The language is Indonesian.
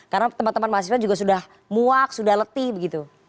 karena teman teman mahasiswa juga sudah muak sudah letih begitu